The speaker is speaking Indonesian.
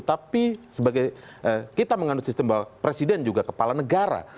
tapi kita mengandung sistem bahwa presiden juga kepala negara